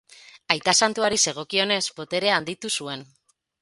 Aita Santuari zegokionez, boterea handitu zuen.